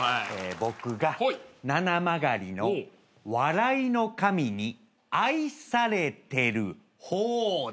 僕がななまがりの笑いの神に愛されてる方で。